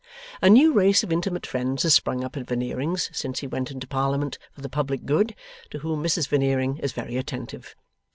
A new race of intimate friends has sprung up at Veneering's since he went into Parliament for the public good, to whom Mrs Veneering is very attentive.